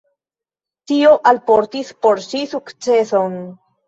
Tio alportis por ŝi sukceson.